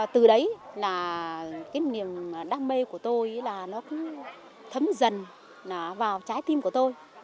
từ đấy là cái niềm đam mê của tôi nó cứ thấm dần vào trái tim của tôi